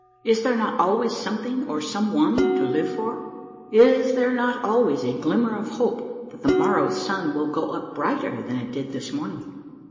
Is there not always something, or some one, to live for ? Is there not always a glimmer of hope that the morrow's sun will go up brighter than it did this morning